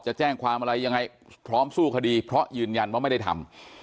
จะแจ้งความอะไรยังไงพร้อมสู้คดีเพราะยืนยันว่าไม่ได้ทำ